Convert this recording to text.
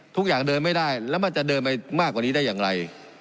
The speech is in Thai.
เดินไม่ได้แล้วมันจะเดินไปมากกว่านี้ได้อย่างไร